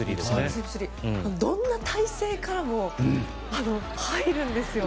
どんな体勢からも入るんですよ。